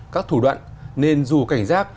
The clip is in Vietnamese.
các thủ đoạn nên dù cảnh giác